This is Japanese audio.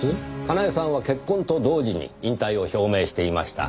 かなえさんは結婚と同時に引退を表明していました。